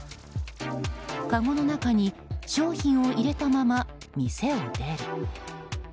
かごの中に商品を入れたまま店を出る。